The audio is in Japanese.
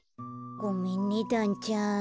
ごめんねだんちゃん。